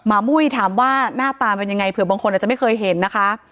มุ้ยถามว่าหน้าตาเป็นยังไงเผื่อบางคนอาจจะไม่เคยเห็นนะคะ